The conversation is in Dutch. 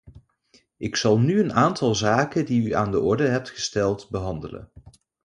Ik zal nu een aantal zaken die u aan de orde hebt gesteld behandelen.